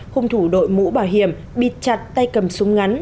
hung thủ đội mũ bảo hiểm bịt chặt tay cầm súng ngắn